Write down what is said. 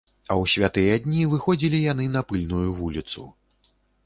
А ў святыя дні выходзілі яны на пыльную вуліцу.